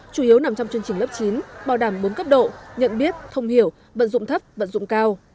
chủ yếu nằm trong chương trình lớp chín bảo đảm bốn cấp độ nhận biết thông hiểu vận dụng thấp vận dụng cao